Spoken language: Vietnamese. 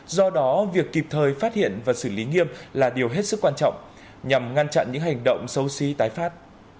do đó việc kịp thời phát hiện và xử lý nghiêm là điều hết sức quan trọng nhằm ngăn chặn những hành động xấu xí tái phát